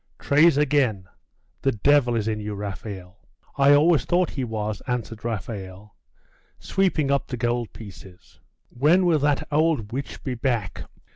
'Trays again! The devil is in you, Raphael!' 'I always thought he was,' answered Raphael, sweeping up the gold pieces.... 'When will that old witch be back?